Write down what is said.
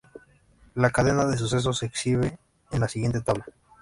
La cadena de sucesos se exhibe en la siguiente tabla.